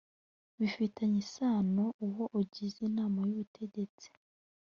bifitanye isano uwo ugize inama y ubutegetsi